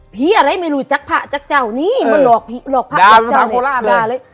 เหี้ยอะไรไม่รู้จักผ้าจักเจ้านี่มันหลอกหลอกผ้าจักเจ้าเลยดาเลย